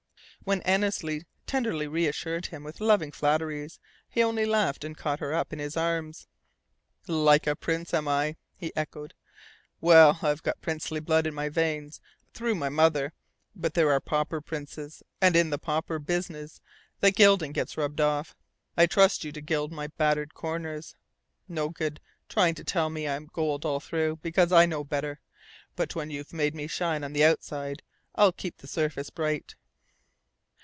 When Annesley tenderly reassured him with loving flatteries, he only laughed and caught her in his arms. "Like a prince, am I?" he echoed. "Well, I've got princely blood in my veins through my mother; but there are pauper princes, and in the pauper business the gilding gets rubbed off. I trust you to gild my battered corners. No good trying to tell me I'm gold all through, because I know better; but when you've made me shine on the outside, I'll keep the surface bright."